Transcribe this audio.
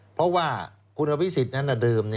เพราะว่าขุนพิสิตนั่นเดิม